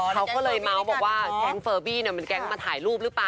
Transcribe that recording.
เขาก็เลยเมาส์บอกว่าแก๊งเฟอร์บี้มันแก๊งมาถ่ายรูปหรือเปล่า